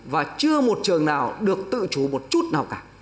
và chưa một trường nào được tự chủ một chút nào cả